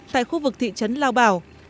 tại khu vực thị trấn lao bảo